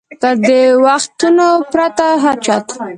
تر دې وختونو پرته هر چت.